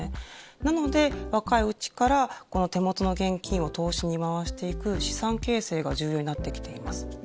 なので若いうちからこの手元の現金を投資に回していく資産形成が重要になってきています。